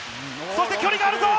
距離があるぞ。